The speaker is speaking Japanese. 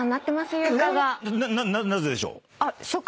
ななぜでしょう？